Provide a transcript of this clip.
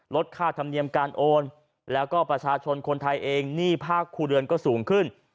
ลดค่าธรรมเนียมการโอนแล้วก็ประชาชนคนไทยเองหนี้ภาคครัวเรือนก็สูงขึ้น